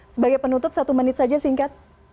sebagai penutup satu menit saja singkat